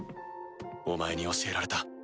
お前に教えられた。